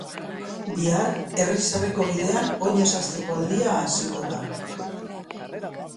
Bihar, herriz herriko bidean oinez hasteko aldia hasiko da.